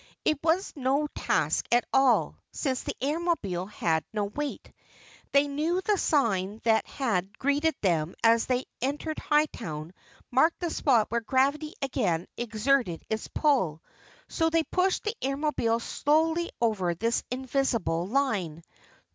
It was no task at all, since the Airmobile had no weight. They knew the sign that had greeted them as they entered Hightown marked the spot where gravity again exerted its pull, so they pushed the Airmobile slowly over this invisible line.